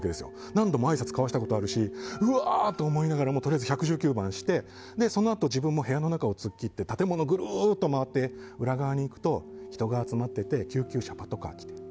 何度もあいさつを交わしたことあるしうわーって思いながらもとりあえず１１９番してそのあと自分も部屋の中を突っ切って建物をぐるっと回って裏側に行くと、人が集まってて救急車、パトカー。